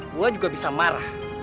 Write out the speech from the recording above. gue juga bisa marah